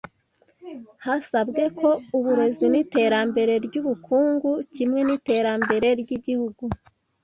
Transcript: Hasabwe ko uburezi n’iterambere ry’ubukungu kimwe n’iterambere ry’igihugu